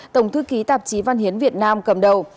tổng thư ký tạp chí văn hiến việt nam cầm đầu